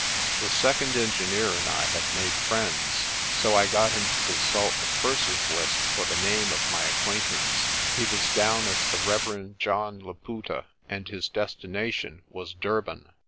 The second engineer and I had made friends, so I got him to consult the purser's list for the name of my acquaint 32 PRESTER JOHN ance. He was down as the Rev. John Laputa, and his destination was Durban.